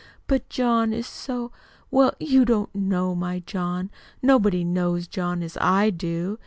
"But John is so well, you don't know my John. Nobody knows John as I do.